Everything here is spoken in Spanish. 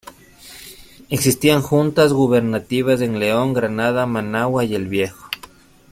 Existían Juntas Gubernativas en León, Granada, Managua y El Viejo.